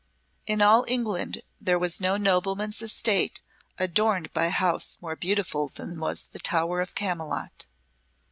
In all England there was no nobleman's estate adorned by a house more beautiful than was the Tower of Camylott.